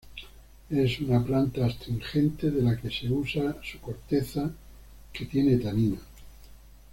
Es una planta astringente de la que se usa su corteza que tiene taninos.